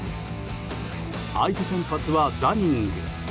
相手先発はダニング。